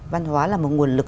văn hóa là một nguồn lực